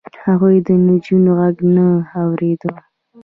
هغوی د نجونو غږ نه اورېد.